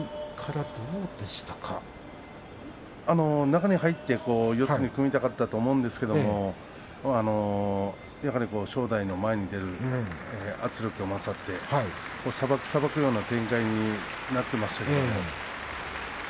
中に入って四つに組みたいと思うんですがやはり正代の前に出る圧力が勝ってさばくような展開になっていました。